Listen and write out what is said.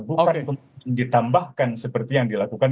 bukan ditambahkan seperti yang dilakukan